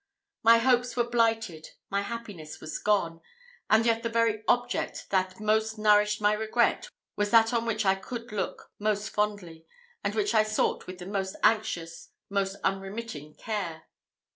My hopes were blighted, my happiness was gone; and yet the very object that most nourished my regret was that on which I could look most fondly, and which I sought with the most anxious, most unremitting care.